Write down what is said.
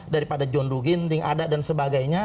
daripada john ruginding ada dan sebagainya